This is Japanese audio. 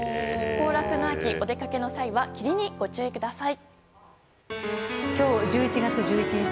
行楽の秋、お出かけの際は霧にご注意ください。